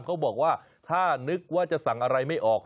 เขาบอกว่าถ้านึกว่าจะสั่งอะไรไม่ออก